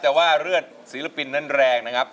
แต่ว่าเลือดศิลปินนั้นแรงนะครับ